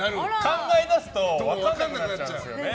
考え出すと分かんなくなっちゃうんですよね。